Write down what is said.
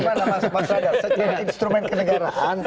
secara instrumen kenegaraan